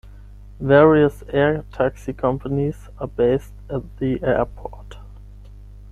Various air taxi companies are based at the airport.